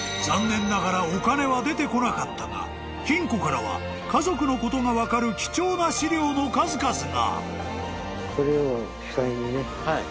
［残念ながらお金は出てこなかったが金庫からは家族のことが分かる貴重な資料の数々が］